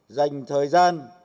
dành thời gian